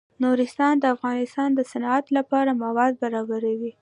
نورستان د افغانستان د صنعت لپاره مواد برابروي.